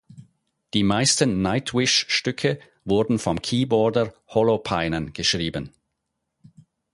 Die meisten Nightwish-Stücke wurden vom Keyboarder Holopainen geschrieben.